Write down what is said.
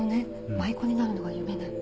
舞妓になるのが夢なの。